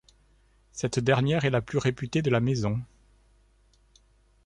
Cette dernière est la plus réputée de la maison.